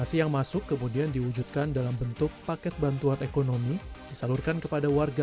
nasi yang masuk kemudian diwujudkan dalam bentuk paket bantuan ekonomi disalurkan kepada warga